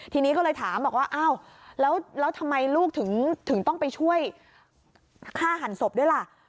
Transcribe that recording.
ทีนี้ก็เลยถามบอกว่าอ้าวแล้วทำไมลูกถึงต้องไปช่วยฆ่าหันศพด้วยล่ะ